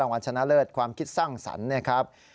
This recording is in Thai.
วันชนะเลิศความคิดสร้างสรรค์นะครับ